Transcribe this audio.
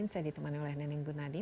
saya ditemani oleh neneng gunadi